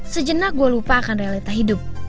sejenak gue lupa akan realita hidup